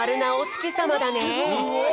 すごい！